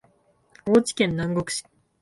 高知県南国市